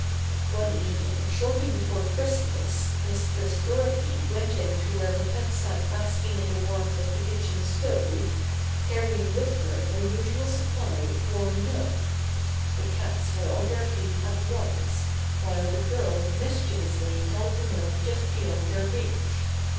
One evening shortly before Christmas Mistress Dorothy went in to where her pets sat basking in the warmth of the kitchen stove, carrying with her their usual supply of warm milk. The cats were on their feet at once, while the girl mischievously held the milk just beyond their reach.